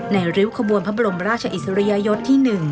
ริ้วขบวนพระบรมราชอิสริยยศที่๑